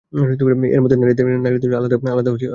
এর মধ্যে নারীদের জন্য আলাদা কাউন্টার থাকবে।